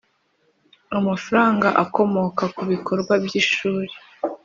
amafaranga akomoka ku bikorwa by ishuri